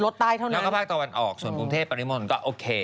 ตกทั้งคืนและภาคตะวันออกส่วนปรุงเทศปริมันก็โอเค